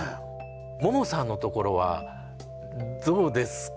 ももさんのところはどうですか？